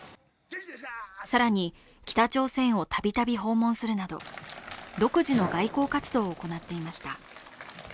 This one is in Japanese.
更に、北朝鮮をたびたび訪問するなど、独自の外交活動を行っていました。